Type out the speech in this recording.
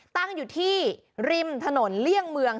ตั้งอยู่ที่ริมถนนเลี่ยงเมือง